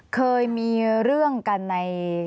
เคยมีเรื่องกันใน